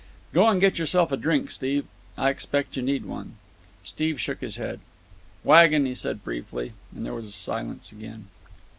"Go and get yourself a drink, Steve. I expect you need one." Steve shook his head. "Waggon," he said briefly. And there was silence again.